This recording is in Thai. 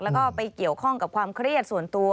แล้วก็ไปเกี่ยวข้องกับความเครียดส่วนตัว